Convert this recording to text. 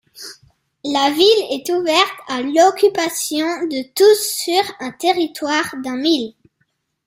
La ville est ouverte à l'occupation de tous sur un territoire d'un mille.